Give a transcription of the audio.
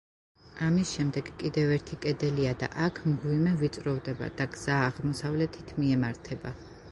ამის შემდეგ კიდევ ერთი კედელია და აქ მღვიმე ვიწროვდება და გზა აღმოსავლეთით მიემართება.